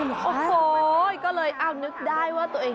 โอ้โหก็เลยเอานึกได้ว่าตัวเอง